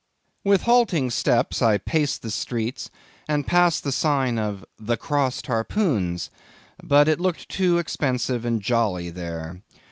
With halting steps I paced the streets, and passed the sign of "The Crossed Harpoons"—but it looked too expensive and jolly there.